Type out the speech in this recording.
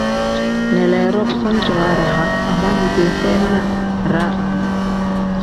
Leleedo bisaani cooo araha ama liidee feyi na iraa imu.